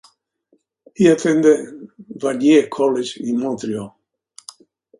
He attended Vanier College in Montreal.